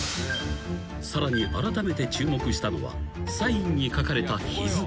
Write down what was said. ［さらにあらためて注目したのはサインに書かれた日付］